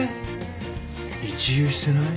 一憂してない？